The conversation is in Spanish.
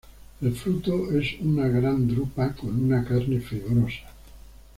El fruto es una gran drupa, con una carne fibrosa.